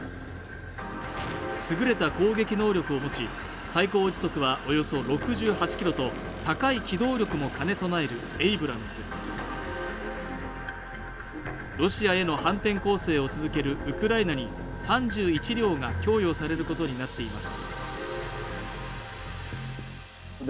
優れた攻撃能力を持ち最高時速はおよそ６８キロと高い機動力も兼ね備えるエイブラムスロシアへの反転攻勢を続けるウクライナに３１両が供与されることになっています